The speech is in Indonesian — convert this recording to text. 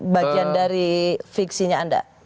bagian dari fiksinya anda